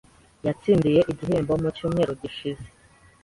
Yatsindiye igihembo mu cyumweru gishize.